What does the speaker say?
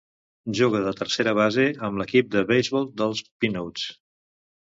Juga de tercera base amb l'equip de beisbol dels Peanuts.